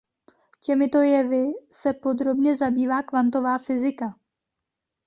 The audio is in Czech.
Těmito jevy se podrobně zabývá kvantová fyzika.